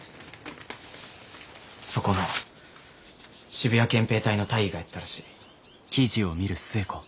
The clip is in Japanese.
そこの渋谷憲兵隊の大尉がやったらしい。